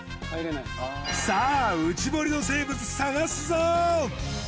さあ内堀の生物探すぞ！